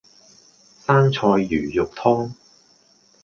生菜魚肉湯